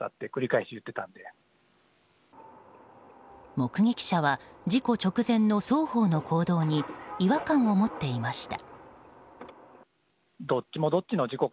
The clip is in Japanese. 目撃者は事故直前の双方の行動に違和感を持っていました。